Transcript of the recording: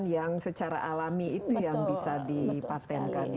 bukan yang secara alami itu yang bisa dipatenkannya